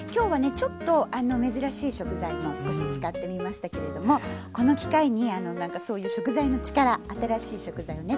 ちょっと珍しい食材も少し使ってみましたけれどもこの機会に何かそういう食材の力新しい食材をね